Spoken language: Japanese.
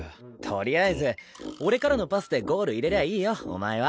とりあえず俺からのパスでゴール入れりゃいいよお前は。